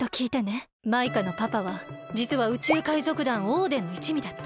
マイカのパパはじつは宇宙海賊団オーデンのいちみだった。